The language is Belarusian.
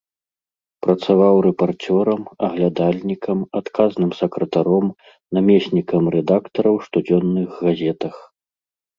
Працаваў рэпарцёрам, аглядальнікам, адказным сакратаром, намеснікам рэдактара ў штодзённых газетах.